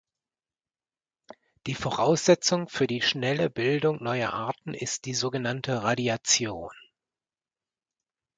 Die Voraussetzungen für die schnelle Bildung neuer Arten ist die sogenannte Radiation.